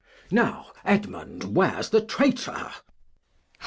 Now, Edmund, where's the Traytour